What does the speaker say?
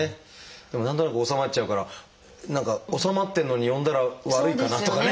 でも何となく治まっちゃうから治まってるのに呼んだら悪いかなとかね